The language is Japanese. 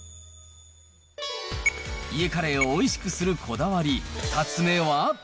家カレーをおいしくするこだわり、２つ目は。